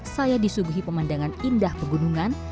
saya disuguhi pemandangan indah pegunungan